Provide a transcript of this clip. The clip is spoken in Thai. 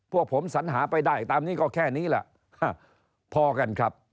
พวกผมสัญหาไปได้ตามนี้ก็แค่นี้แหละพอกันครับ